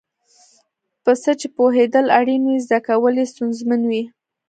په څه چې پوهېدل اړین وي زده کول یې ستونزمن وي.